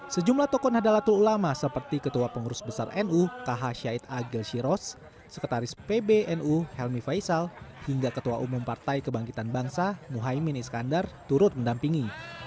sejumlah tokoh nahdlatul ulama seperti ketua pengurus besar nu kh syahid agel shiros sekretaris pbnu helmi faisal hingga ketua umum partai kebangkitan bangsa muhaymin iskandar turut mendampingi